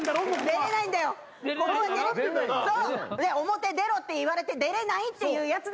「表出ろ」って言われて出れないっていうやつなんだよ。